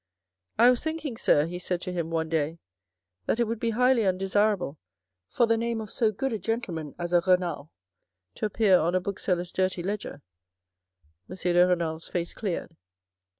" I was thinking, sir," he said to him one day, " that it would be highly undesirable for the name of so good a gentleman as a Renal to appear on a bookseller's dirty ledger." M. de Renal's face cleared.